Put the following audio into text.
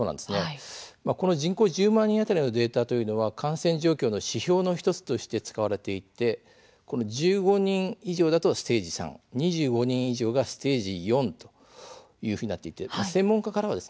人口１０万人当たりのデータは感染状況の指標の１つとして使われていて１５人以上だとステージ３２５人以上だとステージ４となっています。